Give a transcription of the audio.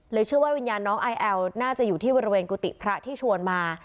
เชื่อว่าวิญญาณน้องไอแอลน่าจะอยู่ที่บริเวณกุฏิพระที่ชวนมา